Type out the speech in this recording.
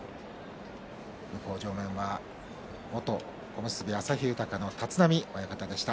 向正面は元小結旭豊の立浪親方でした。